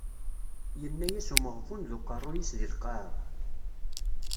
Yenna-as umeɣbun d uqerruy-is deg lqaɛa.